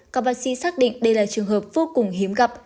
các bác sĩ xác định đây là trường hợp vô cùng hiếm gặp